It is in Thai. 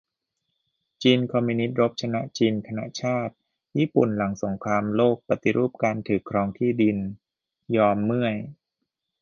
จีนคอมมิวนิสต์รบชนะจีนคณะชาติ ญี่ปุ่นหลังสงครามโลกปฏิรูปการถือครองที่ดิน ยอมเมื่อย